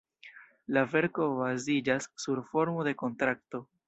La verko baziĝas sur formo de kontrakto.